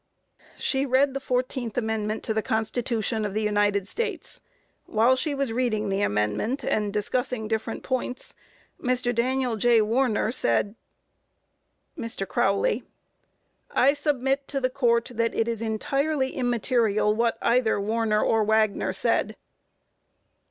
A. She read the 14th amendment to the Constitution of the United States; while she was reading the amendment and discussing different points, Mr. Daniel J. Warner said MR. CROWLEY: I submit to the Court that it is entirely immaterial what either Warner or Wagner said.